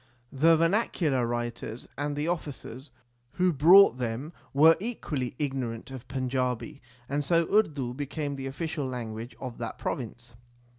The vernacular writers and the officers who brought them were equally igno rant of Panjabi, and so Urdu became the official lan guage of that province.